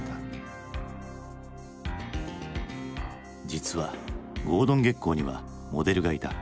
実はゴードン・ゲッコーにはモデルがいた。